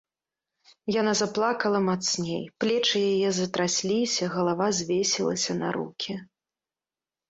Яна заплакала мацней, плечы яе затрасліся, галава звесілася на рукі.